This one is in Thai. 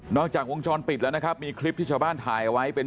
นอกจากวงชรปิดแล้วนะครับมีคลิปที่ชาวบ้านถ่ายไว้เป็นชุดละมุน